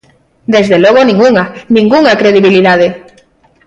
Desde logo, ningunha, ¡ningunha credibilidade!